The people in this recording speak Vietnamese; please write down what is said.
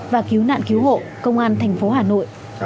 và cứu nạn cứu hộ công an thành phố hà nội